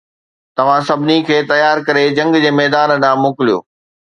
توهان سڀني کي تيار ڪري جنگ جي ميدان ڏانهن موڪليو